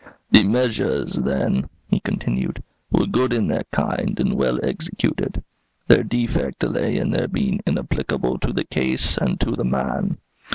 "The measures, then," he continued, "were good in their kind and well executed; their defect lay in their being inapplicable to the case and to the man.